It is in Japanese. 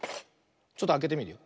ちょっとあけてみるよ。